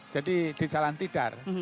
jadi di jalan tidak